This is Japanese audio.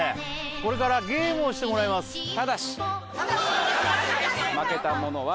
これからゲームをしてもらいますただしただし？